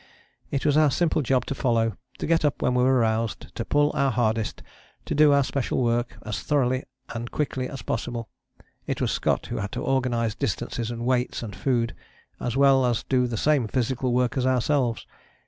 It was our simple job to follow, to get up when we were roused, to pull our hardest, to do our special work as thoroughly and quickly as possible; it was Scott who had to organize distances and weights and food, as well as do the same physical work as ourselves.